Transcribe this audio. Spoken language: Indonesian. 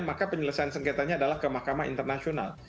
maka penyelesaian sengketanya adalah ke mahkamah internasional